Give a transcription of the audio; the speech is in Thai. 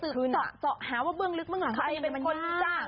คือเจาะหาว่าเบื้องลึกเบื้องหลังใครเป็นคนจ้าง